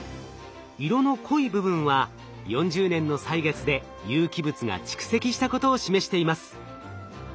色の濃い部分は４０年の歳月で有機物が蓄積したことを示しています。